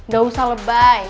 gak usah lebay